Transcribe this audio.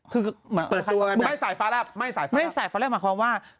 คือเหมือนไม่สายฟ้าแล้วไม่สายฟ้าแล้วหมายความว่า